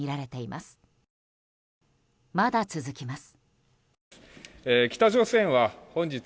まだ続きます。